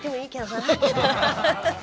ハハハハ。